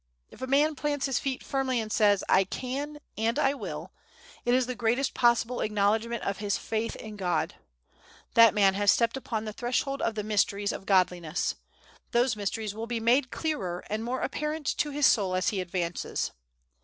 If a man plants his feet firmly, and says, "I can, and I will," it is the greatest possible acknowledgement of his faith in God. That man has stepped upon the threshold of the mysteries of Godliness; those mysteries will be made clearer and more apparent to his soul as he advances.